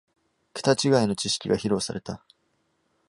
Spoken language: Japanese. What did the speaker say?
ケタ違いの知識が披露された